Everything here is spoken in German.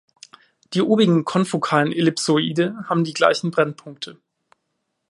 Die obigen konfokalen Ellipsoide haben die gleichen Brennpunkte.